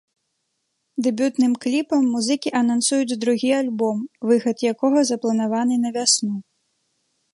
Дэбютным кліпам музыкі анансуюць другі альбом, выхад якога запланаваны на вясну.